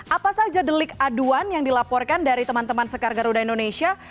apa saja delik aduan yang dilaporkan dari teman teman sekar garuda indonesia